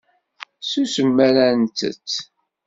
Susem mi ara nttett.